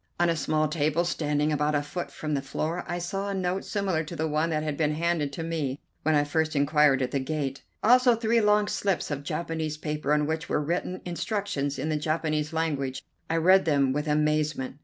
On a small table, standing about a foot from the floor, I saw a note similar to the one that had been handed to me when I first inquired at the gate, also three long slips of Japanese paper on which were written instructions in the Japanese language. I read them with amazement.